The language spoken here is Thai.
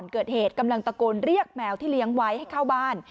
เกิดเหตุกำลังตะโกนเรียกแมวที่เลี้ยงไว้ให้เข้าบ้าน